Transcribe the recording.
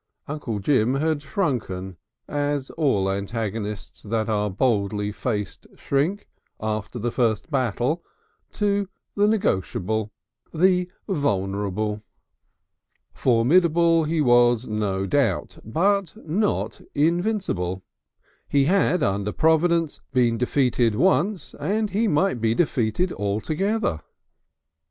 Uncle Jim had shrunken, as all antagonists that are boldly faced shrink, after the first battle, to the negotiable, the vulnerable. Formidable he was no doubt, but not invincible. He had, under Providence, been defeated once, and he might be defeated altogether.